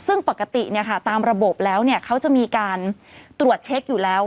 ซึ่งปกติตามระบบแล้วเขาจะมีการตรวจเช็คอยู่แล้ว